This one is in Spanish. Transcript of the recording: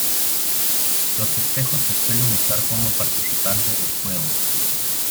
Los espejos se suelen usar como participante del juego.